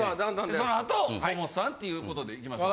その後河本さんっていうことでいきましょう。